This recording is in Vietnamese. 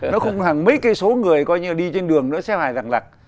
nó không hàng mấy cây số người coi như là đi trên đường nữa xe hoài rạng lạc